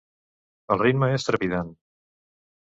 El ritme és trepidant.